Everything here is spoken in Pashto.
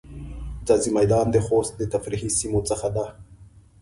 ځاځی میدان د خوست د تفریحی سیمو څخه ده.